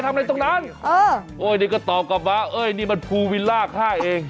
โอ๊ยโอ๊ยนี่ก็ตอบกลับมาเอ้ยนี่มันภูวิลล่าข้าเอง